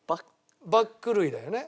バッグ類だよね？